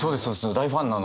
大ファンなので。